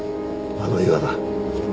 あの岩だ。